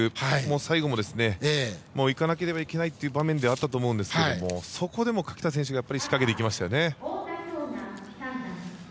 最後も、もういかなければいけないという場面ではあったと思うんですがそこでも垣田選手が仕掛けていきましたよね。